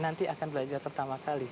nanti akan belajar pertama kali